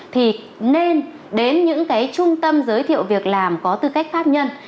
thì nên đến những cái trung tâm giới thiệu việc làm có tư cách pháp nhân